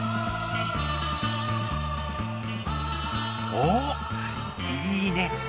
おっいいね！